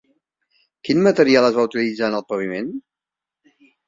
Quin material es va utilitzar en el paviment?